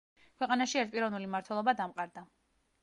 ქვეყანაში ერთპიროვნული მმართველობა დამყარდა.